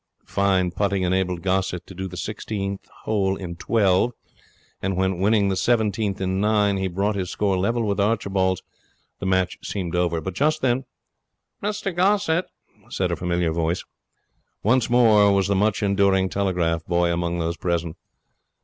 Fine putting enabled Gossett to do the sixteenth hole in twelve, and when, winning the seventeenth in nine, he brought his score level with Archibald's the match seemed over. But just then 'Mr Gossett!' said a familiar voice. Once more was the much enduring telegraph boy among those present.